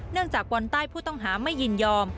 เนื่องจากบอลใต้ผู้ต้องหาไม่ยินยอม